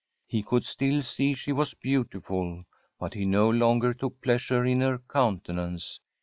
He could still see she was beautiful, but he no longer took pleas ure in her countenance.